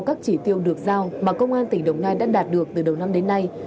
các chỉ tiêu được giao mà công an tỉnh đồng nai đã đạt được từ đầu năm đến nay